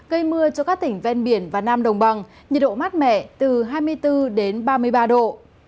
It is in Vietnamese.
gây mưa cho các tỉnh ven biển và nam đồng bằng nhiệt độ mát mẻ từ hai mươi bốn ba mươi ba độ